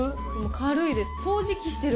軽いです。